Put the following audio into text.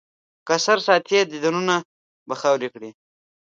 که سر ساتې، دیدنونه به خاورې کړي.